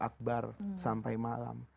akbar sampai malam